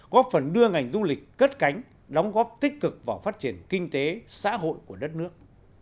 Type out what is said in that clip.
góp phần đưa ngành du lịch cất cánh đóng góp tích cực vào phát triển kinh tế xã hội của đất nước